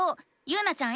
ゆうなちゃん